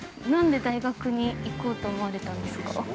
なんで大学に行こうと思われたんですか。